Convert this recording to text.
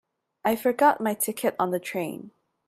I forgot my ticket on the train.